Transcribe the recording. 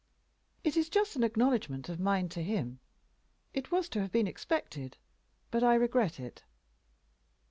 "It is just an acknowledgment of mine to him. It was to have been expected, but I regret it."